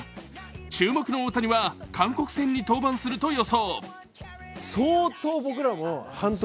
注目の大谷は韓国戦に登板すると予想。